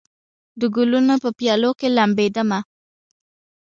د ګلونو په پیالو کې لمبېدمه